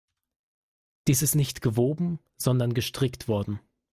Dies ist nicht gewoben, sondern gestrickt worden.